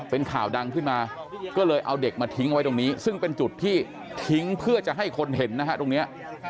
เป็นข่าวดังขึ้นมาก็เลยเอาเด็กมาทิ้งไว้ตรงนี้ซึ่งเป็นจุดที่ทิ้งเพื่อจะให้คนเห็นนะฮะตรงนี้